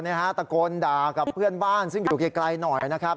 ตะโกนด่ากับเพื่อนบ้านซึ่งอยู่ไกลหน่อยนะครับ